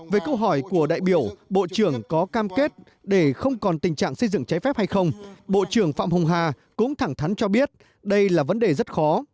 về câu hỏi của đại biểu bộ trưởng có cam kết để không còn tình trạng xây dựng trái phép hay không bộ trưởng phạm hùng hà cũng thẳng thắn cho biết đây là vấn đề rất khó